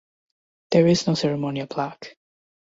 There is no ceremonial plaque.